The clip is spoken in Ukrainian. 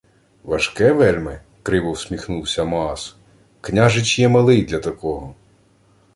— Важке вельми? — криво всміхнувся Маас. — Княжич є малий для такого.